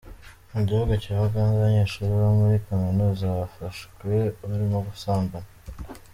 Mu gihugu cya Uganda abanyeshuri bo muri kaminuza bafashwe barimo gusambana .